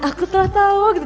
aku telah tau gitu